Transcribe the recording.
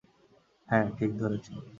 হ্যাঁ, ঠিক ধরেছেন।